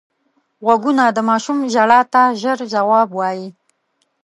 غوږونه د ماشوم ژړا ته ژر ځواب وايي